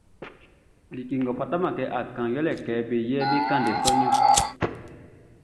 Like ngʼɔ fataman kɛ be kanʼn yɛle kɛ be yɛ be kan ndɛ sɔʼn niɔn.